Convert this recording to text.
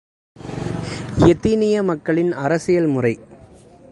எதினிய மக்களின் அரசியல் முறை.